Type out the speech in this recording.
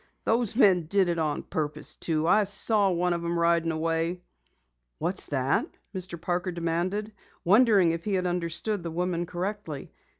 Those men did it on purpose, too! I saw one of 'em riding away." "What's that?" Mr. Parker demanded, wondering if he had understood the woman correctly.